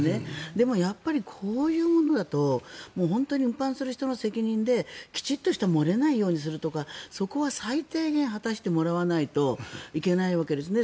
でもやっぱりこういうものだと本当に運搬する人の責任できちんと漏れないようにするとかそこは最低限果たしてもらわないといけないわけですね。